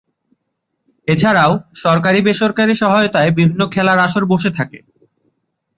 এছাড়া ও সরকারি বেসরকারী সহায়তায় বিভিন্ন খেলার আসর বসে থাকে।